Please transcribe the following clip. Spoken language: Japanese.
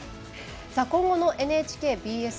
今後のＮＨＫＢＳ